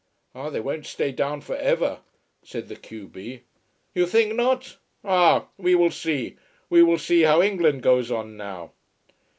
"Ah, they won't stay down for ever," said the q b. "You think not? Ah! We will see. We will see how England goes on now."